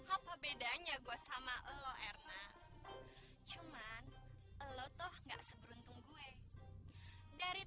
apa bedanya gua sama lo erna cuman elok tuh nggak seberuntung gue dari